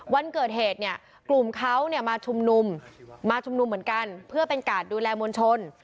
วันเกิดเหตุกลุ่มเขามาชุมนุมเพื่อเป็นการดูแลมวลชน